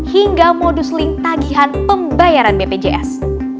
hingga modus link tagihan pembayaran bpjs